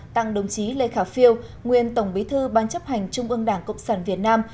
tặng đồng chí lê khả phiêu nguyên tổng bí thư ban chấp hành trung ương đảng cộng sản việt nam